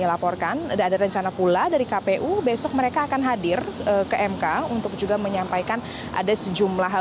laporkan ada rencana pula dari kpu besok mereka akan hadir ke mk untuk juga menyampaikan ada sejumlah